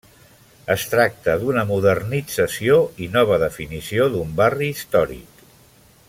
Es tracta d'una modernització i nova definició d'un barri històric.